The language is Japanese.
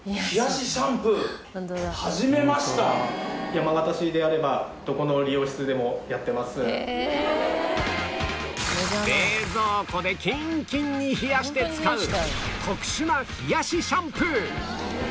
山形市であれば冷蔵庫でキンキンに冷やして使う特殊な冷やしシャンプー